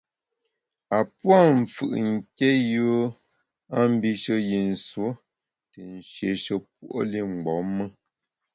A pua’ mfù’ nké yùe a mbishe yi nsuo te nshieshe puo’ li mgbom me.